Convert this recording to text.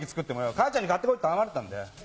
母ちゃんに買って来いって頼まれたんだよ。